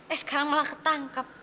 eh sekarang malah ketangkep